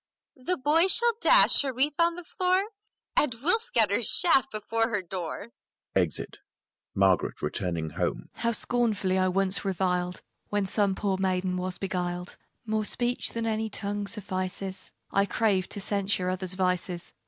The boys shall dash her wreath on the floor, And we'll scatter chaff before her door! [Exit. MARGARET (returning home) How scornfully I once reviled, When some poor maiden was beguiled! More speech than any tongue suffices I craved, to censure others' vices.